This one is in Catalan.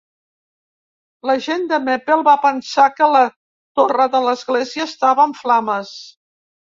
La gent de Meppel va pensar que la torre de l'església estava en flames.